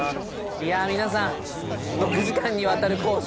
いや皆さん６時間にわたる講習